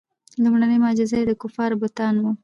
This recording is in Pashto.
لومړنۍ معجزه یې د کفارو بتان وو.